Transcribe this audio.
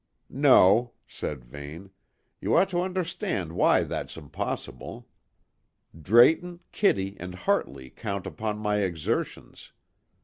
"No," said Vane, "You ought to understand why that's impossible. Drayton, Kitty and Hartley count upon my exertions.